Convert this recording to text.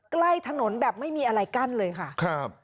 ใกล้ถนนแบบไม่มีอะไรกั้นเลยค่ะครับ